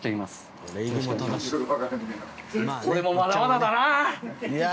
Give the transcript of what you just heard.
俺もまだまだだな！